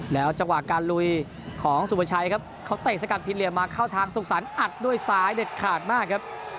แล้วจังหวะการลุยของสุประชัยครับเขาเตะสกัดพิเหลี่ยมมาเข้าทางสุขสรรค์อัดด้วยซ้ายเด็ดขาดมากครับ